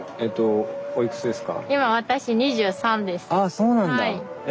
あそうなんだ。